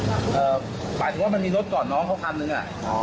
เอ่อปลายถึงว่ามันมีรถก่อนน้องเขากันหนึ่ง